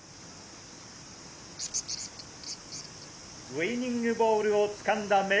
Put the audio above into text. ウイニングボールを掴んだ明